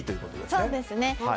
そうですね。